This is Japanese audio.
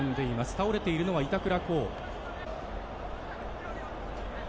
倒れているのは板倉滉。